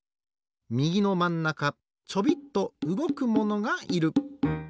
みぎのまんなかちょびっとうごくものがいる。